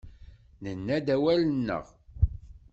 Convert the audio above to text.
Nenna-d awal-nneɣ.